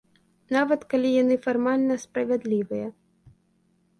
Нават калі яны фармальна справядлівыя.